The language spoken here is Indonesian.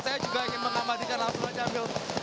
saya juga ingin mengabadikan langsung saja ambil